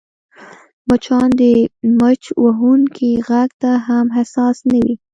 مچان د مچ وهونکي غږ ته هم حساس نه وي